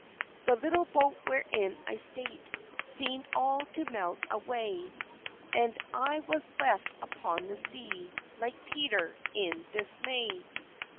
The little boat wherein I sate Seemed all to melt away; And I was left upon the sea, Like Peter, in dismay.